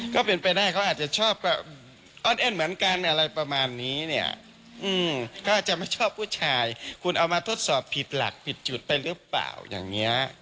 คุณเอามาทดสอบผิดหลักผิดจุดไปหรือเปล่าอย่างนี้